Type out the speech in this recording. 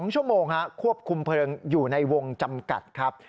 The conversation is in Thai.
๒ชั่วโมงควบคุมเพลิงอยู่ในวงจำกัดครับ